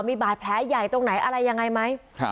มีบาดแผลใหญ่ตรงไหนอะไรยังไงไหม